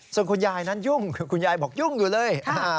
ส่วนคุณยายนั้นยุ่งคุณยายบอกยุ่งอยู่เลย